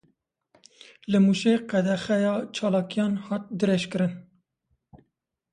Li Mûşê qedexeya çalakiyan hat dirêjkirin.